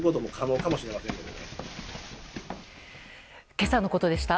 今朝のことでした。